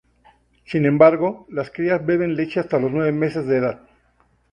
Sin embargo, las crías beben leche hasta los nueve meses de edad.